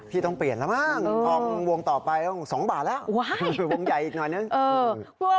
พี่ต้องเปลี่ยนแล้วมั้งเออทองวงต่อไปสองบาทแล้วว้ายวงใหญ่อีกหน่อยนึงเออ